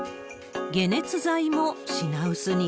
解熱剤も品薄に。